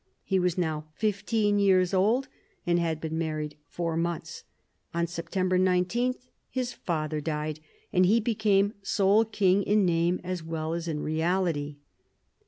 He was now fifteen years old, and had been married four months. On September 19 his father died, and he became sole king in name as well as in reality.